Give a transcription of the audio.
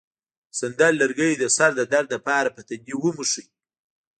د سندل لرګی د سر د درد لپاره په تندي ومښئ